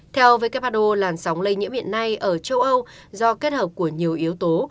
theo who làn sóng lây nhiễm hiện nay ở châu âu do kết hợp của nhiều yếu tố